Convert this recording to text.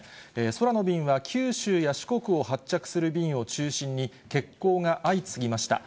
空の便は九州や四国を発着する便を中心に、欠航が相次ぎました。